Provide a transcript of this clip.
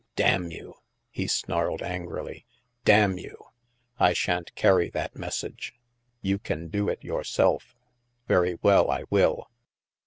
" Damn you," he snarled angrily, " damn you ! I shan't carry that message. You can do it your self." " Very well, I will."